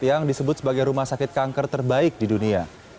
yang disebut sebagai rumah sakit kanker terbaik di dunia